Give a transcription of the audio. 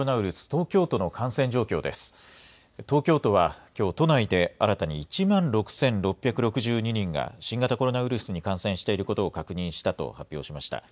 東京都はきょう、都内で新たに１万６６６２人が新型コロナウイルスに感染していることを確認したと発表しました。